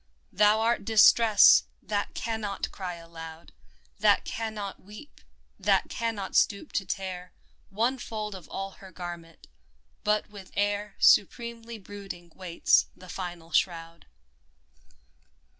Thou art Distress — ^that cannot cry alou<^ That cannot weep, that cannot stoop to tear One fold of all her garment, but with air Supremely brooding waits the final shroud